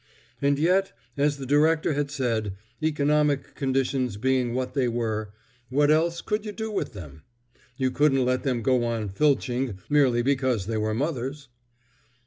And yet, as the director had said, economic conditions being what they were, what else could you do with them? You couldn't let them go on filching merely because they were mothers.